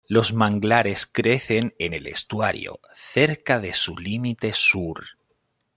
Los manglares crecen en el estuario, cerca de su límite sur.